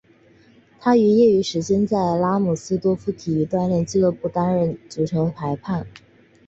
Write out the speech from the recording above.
他于业余时间在拉姆斯多夫体育锻炼俱乐部担当足球裁判。